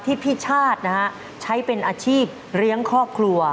พี่ชาตินะฮะใช้เป็นอาชีพเลี้ยงครอบครัว